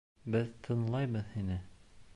Беҙ тыңлайбыҙ һине.